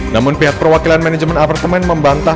namun pihak perwakilan manajemen apartemen membantah